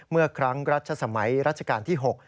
เมื่อครั้งรัชสมัยรัชกาลที่๖